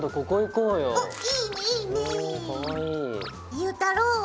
ゆうたろう！